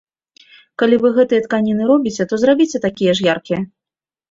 Калі вы гэтыя тканіны робіце, то зрабіце такія ж яркія.